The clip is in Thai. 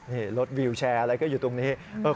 นี่รถวิวแชร์อะไรก็อยู่ตรงนี้